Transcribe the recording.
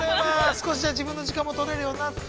少しは自分の時間もとれるようになって。